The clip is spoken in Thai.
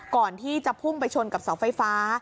ก่อนที่จะพุ่งไปชนกับเสาไฟฟ้า